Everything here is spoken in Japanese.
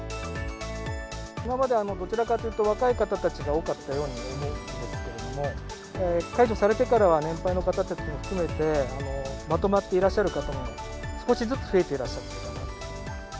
今までどちらかというと、若い方たちが多かったように思うんですけども、解除されてからは、年配の方たちも含めて、まとまっていらっしゃる方も少しずつ増えていらっしゃってるかなと。